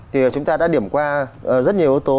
thì chúng ta đã điểm qua rất nhiều yếu tố